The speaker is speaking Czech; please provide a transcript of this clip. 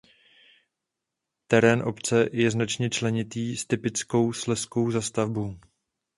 Terén obce je značně členitý s typickou slezskou zástavbou.